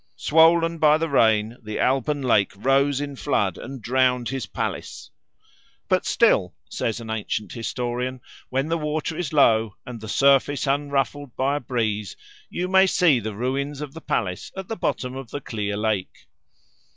Swollen by the rain, the Alban lake rose in flood and drowned his palace. But still, says an ancient historian, when the water is low and the surface unruffled by a breeze, you may see the ruins of the palace at the bottom of the clear lake.